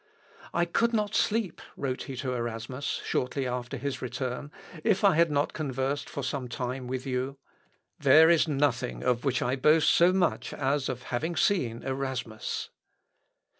"I could not sleep," wrote he to Erasmus, shortly after his return, "if I had not conversed for some time with you. There is nothing of which I boast so much as of having seen Erasmus."